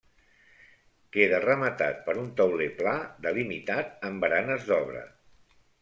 Queda rematat per un tauler pla delimitat amb baranes d'obra.